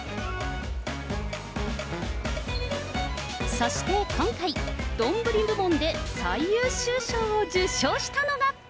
そして今回、丼部門で最優秀賞を受賞したのが。